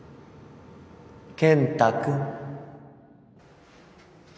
健太君